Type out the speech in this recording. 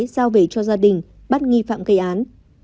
giao về cho gia đình bắt nghi phạm gây án